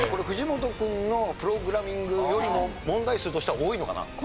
藤本君のプログラミングよりも問題数としては多いのかな？